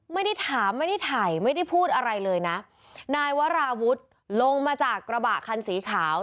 ไม่ได้ถามไม่ได้ถ่ายไม่ได้พูดอะไรเลยนะนายวราวุฒิลงมาจากกระบะคันสีขาว